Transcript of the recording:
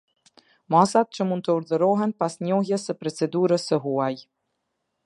Masat që mund të urdhërohen pas njohjes së procedurës së huaj.